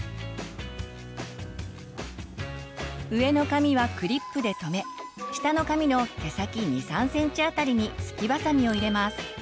上の髪はクリップで止め下の髪の毛先２３ｃｍ辺りにスキバサミを入れます。